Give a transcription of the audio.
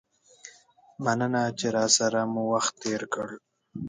مننه چې راسره مو وخت تیر کړ.